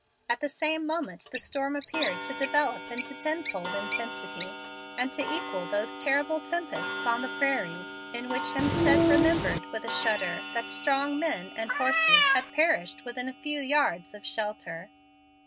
At the same moment the storm appeared to develop into tenfold intensity, and to equal those terrible tempests on the prairies in which Hemstead remembered, with a shudder, that strong men and horses had perished within a few yards of shelter.